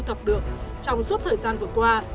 thập được trong suốt thời gian qua